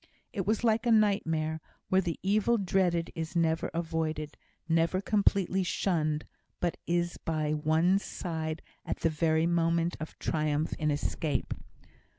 It was like a nightmare, where the Evil dreaded is never avoided, never completely shunned, but is by one's side at the very moment of triumph in escape.